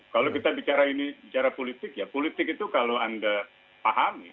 kalau kita bicara ini bicara politik ya politik itu kalau anda pahami